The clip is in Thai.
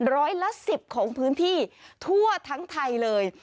ร้อยละ๑๐ของพื้นที่ทั่วทั้งไทยเลย